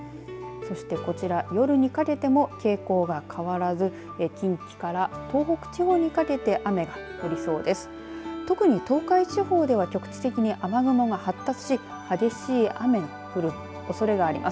そして、こちら夜にかけても傾向が変わらず近畿から東北地方にかけて雨が降りそうです。